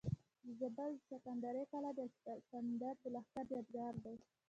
د زابل د سکندرۍ قلا د الکسندر د لښکر یادګار دی